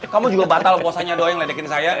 kamu juga batal puasanya doa yang ledekin saya